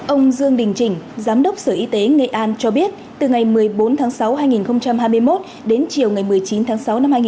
ông dương đình chỉnh giám đốc sở y tế nghệ an cho biết từ ngày một mươi bốn tháng sáu hai nghìn hai mươi một đến chiều ngày một mươi chín tháng sáu năm hai nghìn hai mươi ba